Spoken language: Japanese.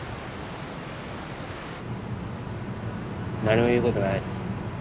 何も言うことないです。